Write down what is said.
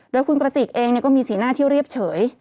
โดยคุณกระติกเองก็มีสีหน้าที่เรียบเฉย